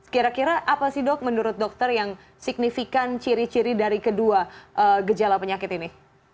kira kira apa sih dok menurut dokter yang signifikan ciri ciri dari kedua gejala penyakit ini